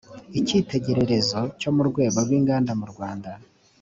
icyitegererezo cyo mu rwego rw’inganda mu rwanda